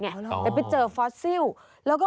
แล้วเจอฟอสซิล